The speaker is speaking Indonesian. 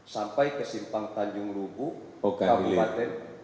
sampai ke simpang tanjung rubu kabupaten